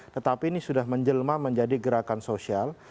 tetapi ini sudah menjelma menjadi gerakan sosial